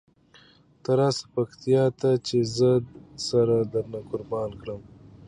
ته راسه پکتیکا ته چې زه سره درنه قربانه کړم.